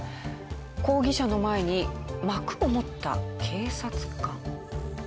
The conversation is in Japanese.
抗議者の前に幕を持った警察官。